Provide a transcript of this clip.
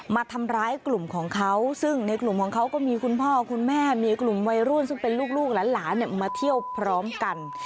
มาทำร้ายกลุ่มของเขาซึ่งในกลุ่มของเขาก็มีคุณพ่อคุณแม่มีกลุ่มวัยรุ่นซึ่งเป็นลูกหลานมาเที่ยวพร้อมกัน